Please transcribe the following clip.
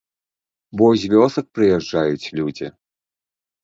Бо з вёсак прыязджаюць людзі.